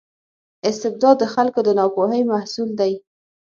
استبداد د خلکو د ناپوهۍ محصول دی.